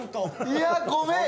いや、ごめん。